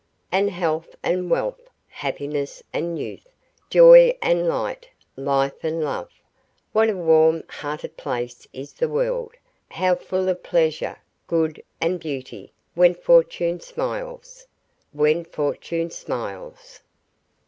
Ah, health and wealth, happiness and youth, joy and light, life and love! What a warm hearted place is the world, how full of pleasure, good, and beauty, when fortune smiles! _When fortune smiles!